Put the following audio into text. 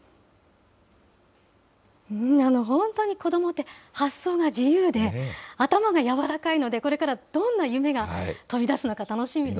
本当に子どもって発想が自由で、頭が柔らかいので、これからどんな夢が飛び出すのか、楽しみです